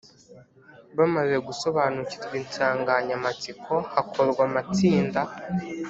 Bamaze gusobanukirwa insanganyamatsiko hakorwa amatsinda